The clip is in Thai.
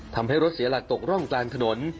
ทำให้รถเสียหลักตกร่องกลางถนน